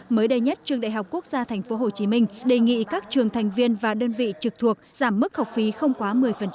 mới đây nhất trường đại học quốc gia tp hcm đề nghị các trường thành viên và đơn vị trực thuộc giảm mức học phí không quá một mươi